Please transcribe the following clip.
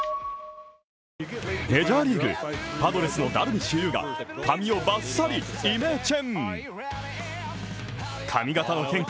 メジャーリーグパドレスのダルビッシュ有が髪をバッサリ、イメチェン。